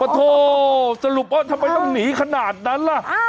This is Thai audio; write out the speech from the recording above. โทษสรุปว่าทำไมต้องหนีขนาดนั้นล่ะ